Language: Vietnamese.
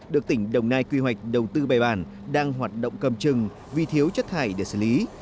được tỉnh đồng nai quy hoạch đầu tư bài bản đang hoạt động cầm chừng vì thiếu chất thải để xử lý